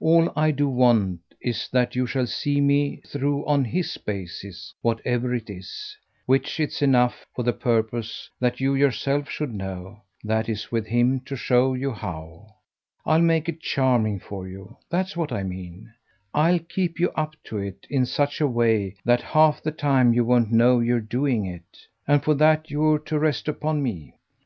All I do want is that you shall see me through on HIS basis, whatever it is; which it's enough for the purpose that you yourself should know: that is with him to show you how. I'll make it charming for you that's what I mean; I'll keep you up to it in such a way that half the time you won't know you're doing it. And for that you're to rest upon me.